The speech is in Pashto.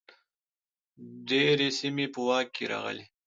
ډیرې سیمې په واک کې راغلې.